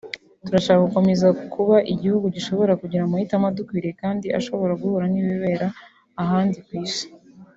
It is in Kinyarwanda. turashaka gukomeza kuba igihugu gishobora kugira amahitamo adukwiriye kandi ashobora guhura n’ibibera ahandi ku Isi